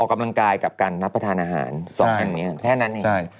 กำลังกายกับการรับประทานอาหาร๒อย่างนี้แค่นั้นเอง